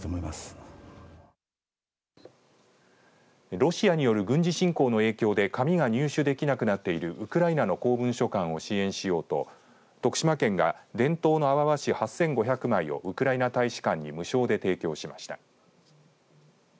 ロシアによる軍事侵攻の影響で紙が入手できなくなっているウクライナの公文書館を支援しようと徳島県が伝統の阿波和紙８５００枚をウクライナ大使館に無償で提供しました。